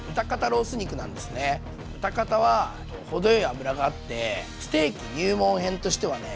豚肩は程よい脂があってステーキ入門編としてはね